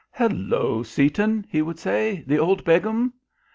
"Hullo, Seaton," he would say, "the old Begum?"